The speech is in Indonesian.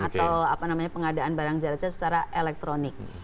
atau apa namanya pengadaan barang jarak secara elektronik